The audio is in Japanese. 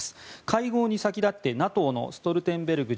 会合に先立って、ＮＡＴＯのストルテンベルグ